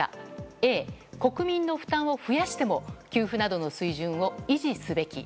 Ａ、国民の負担を増やしても給付などを維持すべき。